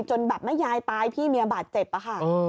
จนแบบแม่ยายตายพี่เมียบาดเจ็บอะค่ะ